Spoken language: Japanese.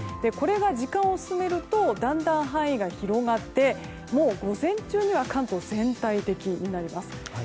これが時間を進めるとだんだん範囲が広がって午前中には関東全体的になります。